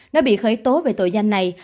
nó bị khởi tố về tội gian này